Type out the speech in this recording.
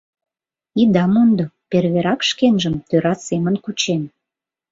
Ида мондо: перверак шкенжым тӧра семын кучен.